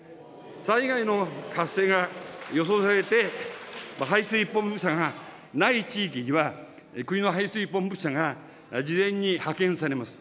災害の発生が予想されて、排水ポンプ車がない地域には、国の排水ポンプ車が事前に派遣されます。